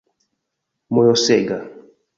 mojosega